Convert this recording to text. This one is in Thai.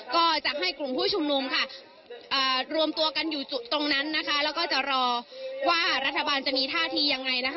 ก็จะให้กลุ่มผู้ชุมนุมค่ะรวมตัวกันอยู่จุดตรงนั้นนะคะแล้วก็จะรอว่ารัฐบาลจะมีท่าทียังไงนะคะ